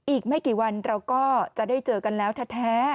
อีกไม่กี่วันเราก็จะได้เจอกันแล้วแท้